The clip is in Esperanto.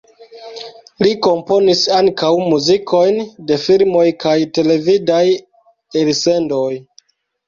Li komponis ankaŭ muzikojn de filmoj kaj televidaj elsendoj.